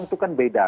itu kan beda